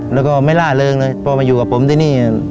แล้วก็ไม่ล่าเริงเลยพอมาอยู่กับผมที่นี่